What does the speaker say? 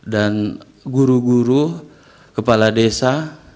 dan guru guru kepala desa